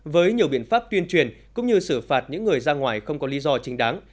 với nhiều biện pháp tuyên truyền cũng như xử phạt những người ra ngoài không có lý do chính đáng